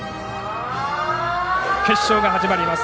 決勝が始まります